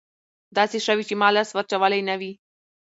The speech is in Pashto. داسې شوي چې ما لاس ور اچولى نه وي.